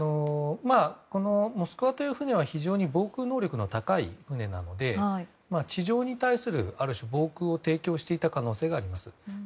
「モスクワ」という船は防空能力の高い船なので地上に対するある種、防空を提供していた可能性があります。